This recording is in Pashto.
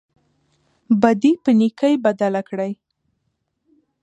بدي په نېکۍ بدله کړئ.